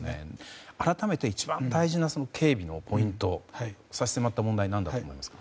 改めて一番大事な警備のポイント差し迫った問題は何だと思いますか。